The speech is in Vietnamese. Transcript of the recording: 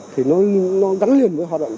thì nó gắn liền với hoạt động